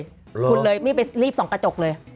คุณเลยรีบไปรีบส่องกระจกเลย